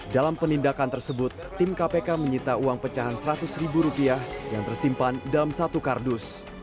dalam penindakan tersebut tim kpk menyita uang pecahan seratus ribu rupiah yang tersimpan dalam satu kardus